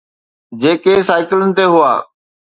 جيڪي سائيڪلن تي هئا.